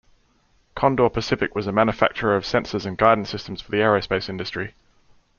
Condor Pacific was a manufacturer of sensors and guidance systems for the aerospace industry.